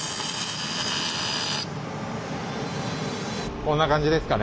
こんな感じですかね。